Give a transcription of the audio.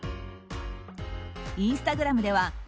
インスタグラムでは「＃